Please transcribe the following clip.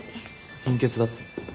貧血だって。